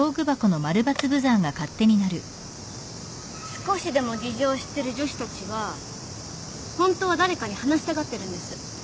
少しでも事情を知ってる女子たちはホントは誰かに話したがってるんです。